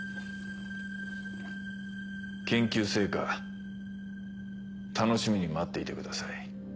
研究成果楽しみに待っていてください。